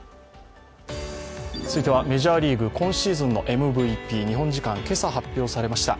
続いてはメジャーリーグ、今シーズンのＭＶＰ日本時間今朝発表されました。